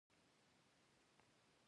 د حصه اول بهسود سړه ده